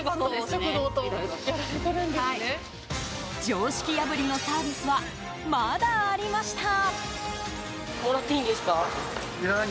常識破りのサービスはまだありました。